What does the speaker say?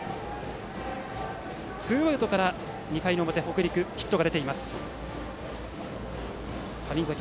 ツーアウトから２回の表、北陸ヒットが出ています。